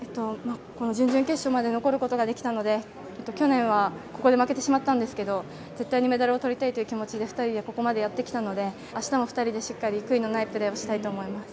準々決勝まで残ることができたので去年はここで負けてしまったんですが絶対にメダルをとりたい気持ちで２人でここまでやってきたので明日も２人でしっかり悔いのないプレーをしたいと思います。